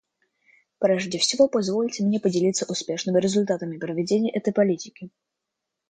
Прежде всего позвольте мне поделиться успешными результатами проведения этой политики.